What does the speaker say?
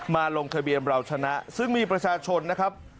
ลงทะเบียนเราชนะซึ่งมีประชาชนนะครับ